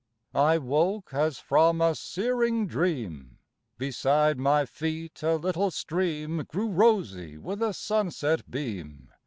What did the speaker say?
I woke as from a searing dream, Beside my feet a little stream Grew rosy with a sunset beam.